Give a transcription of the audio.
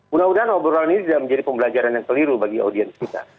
mudah mudahan obrolan ini tidak menjadi pembelajaran yang keliru bagi audiens kita